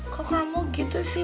kok kamu gitu sih